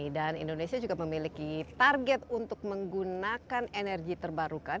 dan indonesia juga memiliki target untuk menggunakan energi terbarukan